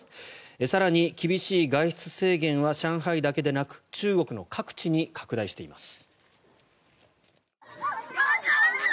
更に、厳しい外出制限は上海だけでなく中国の各地に拡大しています。